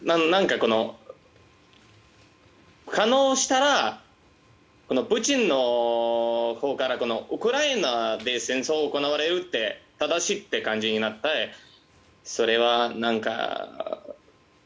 反応したらプーチンのほうからウクライナで戦争が行われるって正しいって感じになってそれは、何か。